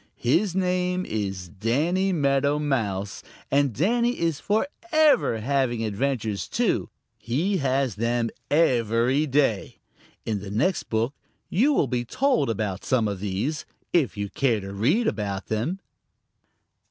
His name is Danny Meadow Mouse, and Danny is forever having adventures too. He has them every day. In the next book you will be told about some of these, if you care to read about them.